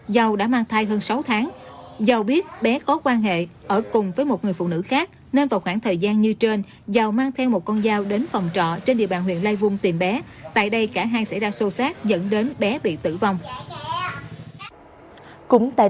dâu đã mang thai hơn sáu tháng giàu biết bé có quan hệ ở cùng với một người phụ nữ khác nên vào khoảng thời gian như trên giao mang theo một con dao đến phòng trọ trên địa bàn huyện lai vung tìm bé tại đây cả hai xảy ra sâu sát dẫn đến bé bị tử vong